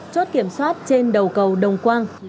chốt kiểm soát trên đầu cầu đồng quang